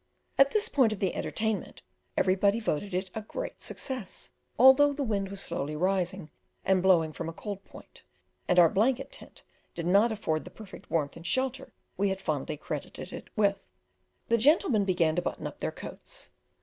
At this point of the entertainment everybody voted it a great success; although the wind was slowly rising and blowing from a cold point, and our blanket tent did not afford the perfect warmth and shelter we had fondly credited it with. The gentlemen began to button up their coats.